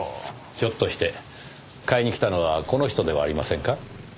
ひょっとして買いに来たのはこの人ではありませんか？